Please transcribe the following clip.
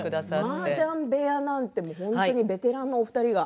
マージャン部屋なんて本当にベテランのお二人が。